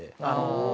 ああ。